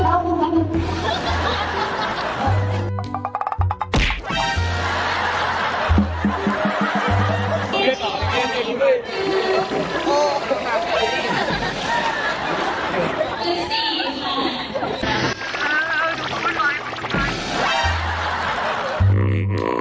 สี่สี่